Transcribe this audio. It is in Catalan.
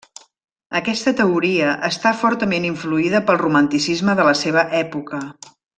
Aquesta teoria està fortament influïda pel romanticisme de la seva època.